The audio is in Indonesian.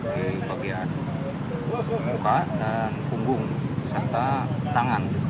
di bagian muka dan punggung serta tangan